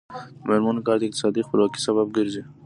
د میرمنو کار د اقتصادي خپلواکۍ سبب ګرځي.